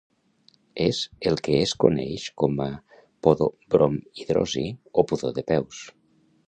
És el que es coneix com a podobromhidrosi o pudor de peus.